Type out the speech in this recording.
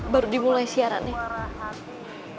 baru dimulai siaran nih